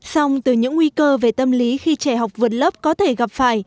xong từ những nguy cơ về tâm lý khi trẻ học vượt lớp có thể gặp phải